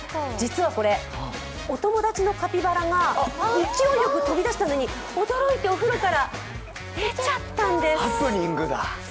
実はこれ、お友達のカピバラが勢いよく飛び出したのに驚いてお風呂から出ちゃったんです。